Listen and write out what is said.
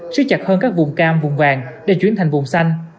xích chặt hơn các vùng cam vùng vàng để chuyển thành vùng xanh